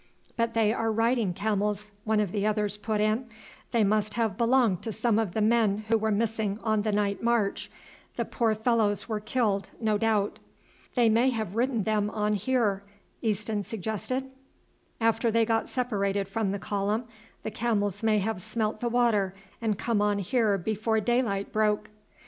"But they are riding camels," one of the others put in; "they must have belonged to some of the men who were missing on the night march; the poor fellows were killed, no doubt." "They may have ridden them on here," Easton suggested; "after they got separated from the column the camels may have smelt the water and come on here before daylight broke."